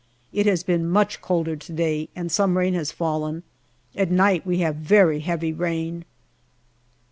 It has been much colder to day, and some rain has fallen. At night we have very heavy rain.